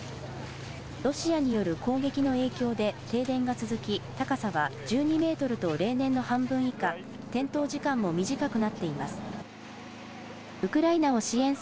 ロシアによる攻撃の影響で停電が続き、高さは１２メートルと例年の半分以下、点灯時間も短くなっています。